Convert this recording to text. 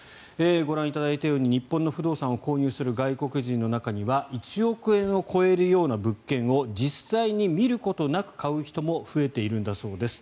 ご覧いただいたように日本の不動産を購入する外国人の中には１億円を超えるような物件を実際に見ることなく買う人も増えているんだそうです。